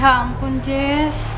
ya ampun jess